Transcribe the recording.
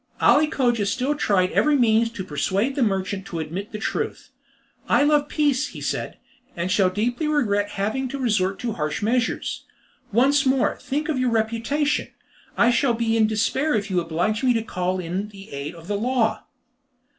Ali Cogia still tried every means to persuade the merchant to admit the truth. "I love peace," he said, "and shall deeply regret having to resort to harsh measures. Once more, think of your reputation. I shall be in despair if you oblige me to call in the aid of the law."